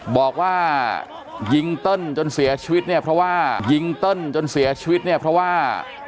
บอกว่ายิงเติ้ลจนเสียชีวิตเนี่ยเพราะว่ายิงเติ้ลจนเสียชีวิตเนี่ยเพราะว่า